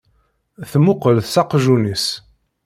Temmuqqel s aqjun-is.